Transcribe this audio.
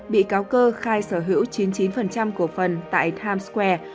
bị cáo cơ khai sở hữu chín mươi chín cổ phần tại times square